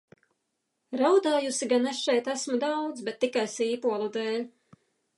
Raudājusi gan es šeit esmu daudz, bet tikai sīpolu dēļ.